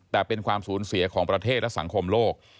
แต่เป็นความสูญเสียของประเทศและสังคมโลก